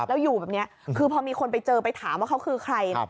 แล้วอยู่แบบนี้คือพอมีคนไปเจอไปถามว่าเขาคือใคร